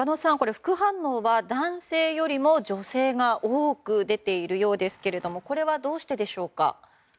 副反応は男性より女性が多く出ているようですがこれはどうしてでしょうか。